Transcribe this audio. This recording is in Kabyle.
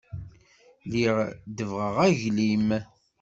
Lliɣ debbɣeɣ aglim.